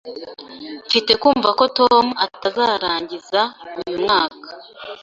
Mfite kumva ko Tom atazarangiza uyu mwaka